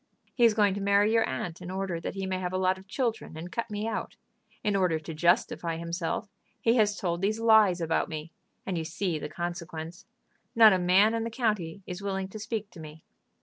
He is going to marry your aunt in order that he may have a lot of children, and cut me out. In order to justify himself, he has told these lies about me, and you see the consequence; not a man in the county is willing to speak to me."